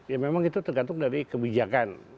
ya memang itu tergantung dari kebijakan